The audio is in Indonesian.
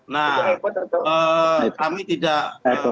nah kami tidak